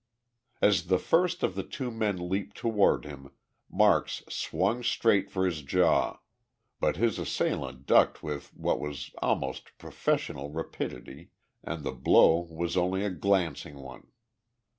As the first of the two men leaped toward him, Marks swung straight for his jaw, but his assailant ducked with what was almost professional rapidity and the blow was only a glancing one.